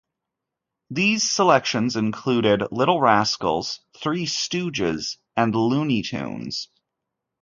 These selections included "Little Rascals", "Three Stooges", and "Looney Tunes".